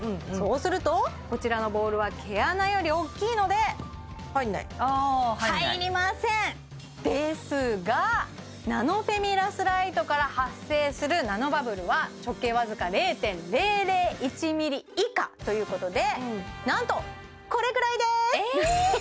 そうするとこちらのボールは毛穴より大っきいので入んない入りませんですがナノフェミラスライトから発生するナノバブルは直径僅か０．００１ｍｍ以下ということでなんとこれくらいですええ！